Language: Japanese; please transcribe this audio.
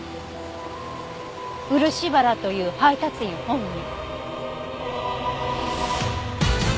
漆原という配達員本人。